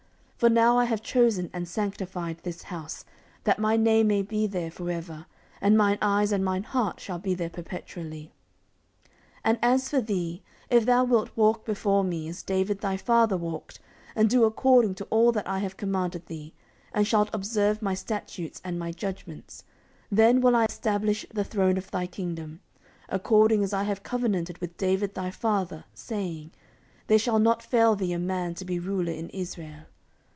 14:007:016 For now have I chosen and sanctified this house, that my name may be there for ever: and mine eyes and mine heart shall be there perpetually. 14:007:017 And as for thee, if thou wilt walk before me, as David thy father walked, and do according to all that I have commanded thee, and shalt observe my statutes and my judgments; 14:007:018 Then will I stablish the throne of thy kingdom, according as I have covenanted with David thy father, saying, There shall not fail thee a man to be ruler in Israel.